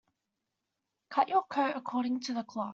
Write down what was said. Cut your coat according to the cloth.